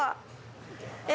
え